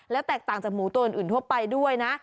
และแตกต่างจากหมูตัวอื่นทั่วไปด้วยนะ